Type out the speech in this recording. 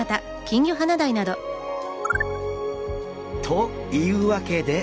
というわけで。